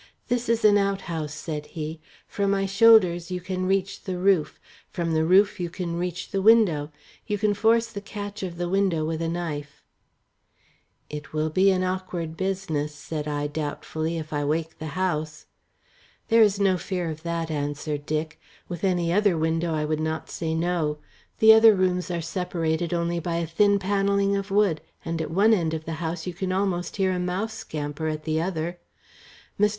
"This is an outhouse," said he. "From my shoulders you can reach the roof. From the roof you can reach the window. You can force the catch of the window with a knife." "It will be an awkward business," said I doubtfully, "if I wake the house." "There is no fear of that," answered Dick. "With any other window I would not say no. The other rooms are separated only by a thin panelling of wood, and at one end of the house you can almost hear a mouse scamper at the other. Mr.